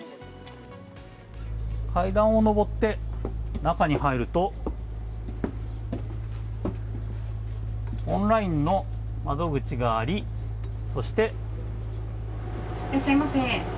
階段を上って中に入るとオンラインの窓口がありそして。